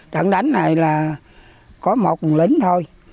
trận đánh này là có một lính thôi